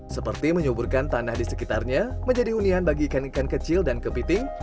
seperti menyuburkan tanah di sekitarnya menjadi unian bagi ikan ikan kecil dan kepiting